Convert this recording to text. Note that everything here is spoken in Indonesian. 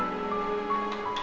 aku gak boleh mati